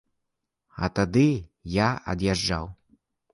А тады я ад'язджаў.